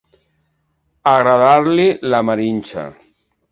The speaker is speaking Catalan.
Agradar-li la marrinxa.